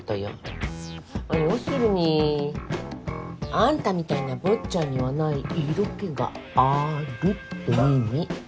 まあ要するにあんたみたいな坊ちゃんにはない色気があるって意味。